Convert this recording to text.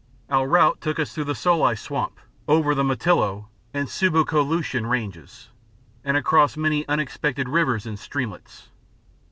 Our route took us through the Solai Swamp, over the Multilo and Subu Ko Lultian ranges, and across many unexpected rivers and streamlets.